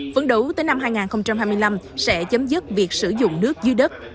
phấn đấu tới năm hai nghìn hai mươi năm sẽ chấm dứt việc sử dụng nước dưới đất